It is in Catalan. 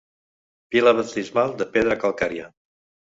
Pila baptismal de pedra calcària.